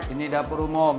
ini dapur umum